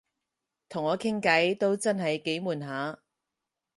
同我傾偈都真係幾悶下